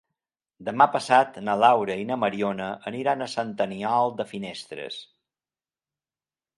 Demà passat na Laura i na Mariona aniran a Sant Aniol de Finestres.